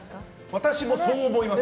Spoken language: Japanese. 私もそう思います。